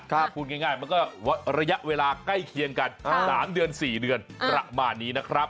ถ้าพูดง่ายมันก็ระยะเวลาใกล้เคียงกัน๓เดือน๔เดือนประมาณนี้นะครับ